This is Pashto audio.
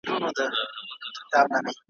چي تر کور پوري به وړي د سپیو سپکه ,